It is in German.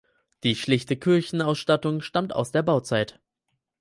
Die schlichte Kirchenausstattung stammt aus der Bauzeit.